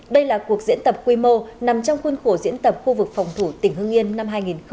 đây là cuộc diễn tập quy mô nằm trong khuôn khổ diễn tập khu vực phòng thủ tỉnh hương yên năm hai nghìn một mươi chín